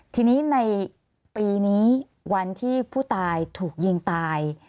ทีนี้ในปีนี้วันที่ผู้ตายถูกยิงตาย